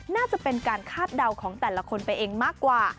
น่าจะเป็นการคาดเดาของแต่ละคนไปเองมากกว่า